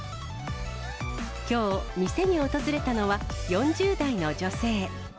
きょう、店に訪れたのは４０代の女性。